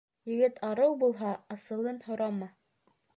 Егет арыу булһа, асылын һорама.